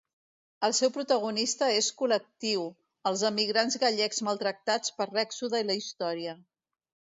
El seu protagonista és col·lectiu: els emigrants gallecs maltractats per l'èxode i la història.